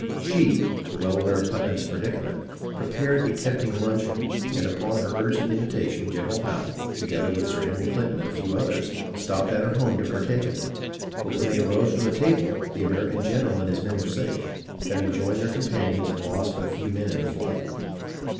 She, well aware of Putnam's predicament, prepared a tempting luncheon, and upon her urgent invitation Gen eral Howe, together with Sir Henry Clinton and a few others, stopped at her home to partake of it; but when they arose from the table the American general and his men were safe, having joined their companions and lost but a few men in the flight.